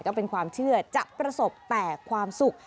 ก็เป็นความเชื่อจะประสบแต่ความสุข